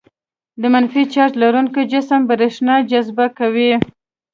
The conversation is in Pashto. د منفي چارج لرونکي جسم برېښنا جذبه کوي.